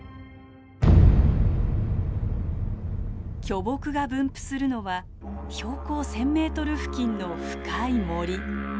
巨木が分布するのは標高１，０００メートル付近の深い森。